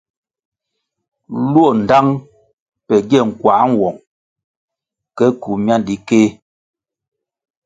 Luo ndtang pe gie nkuăh nwong ke kywu miandikéh.